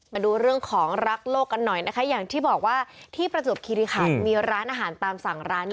มาดูเรื่องของรักโลกกันหน่อยนะคะอย่างที่บอกว่าที่ประจวบคิริขันมีร้านอาหารตามสั่งร้านนี้